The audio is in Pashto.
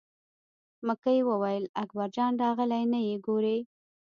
مکۍ وویل: اکبر جان راغلی نه یې ګورې.